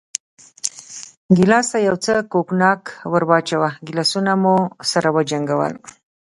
ګیلاس ته یو څه کوګناک ور واچوه، ګیلاسونه مو سره وجنګول.